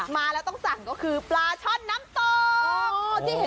มาแล้วต้องสั่งก็คือปลาช่อนน้ำตก